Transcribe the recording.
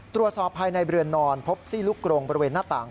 ตรวจสอบภายในเรือนนอนพบซี่ลูกกรงบริเวณหน้าต่าง